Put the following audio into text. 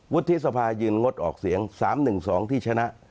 วุฒิสภายืนงดออกเสียง๓๑๒ที่ชนะ